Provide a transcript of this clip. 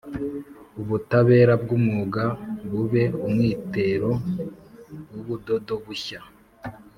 ubutabera bw’umwuga bube umwitero w’ubudodo bushya